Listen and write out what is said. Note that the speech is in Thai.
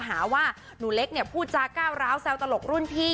หาว่าหนูเล็กเนี่ยพูดจาก้าวร้าวแซวตลกรุ่นพี่